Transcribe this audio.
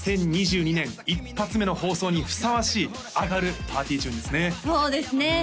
２０２２年１発目の放送にふさわしいアガるパーティーチューンですね